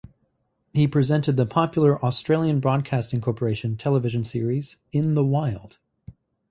He presented the popular Australian Broadcasting Corporation television series "In the Wild".